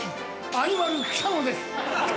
アニマル北野です。